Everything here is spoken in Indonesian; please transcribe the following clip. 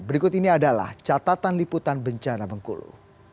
berikut ini adalah catatan liputan bencana bengkulu